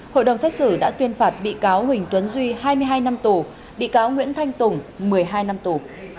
hội đồng xét xử đã tuyên phạt bị cáo huỳnh tuấn duy hai mươi hai năm tù bị cáo nguyễn thanh tùng một mươi hai năm tù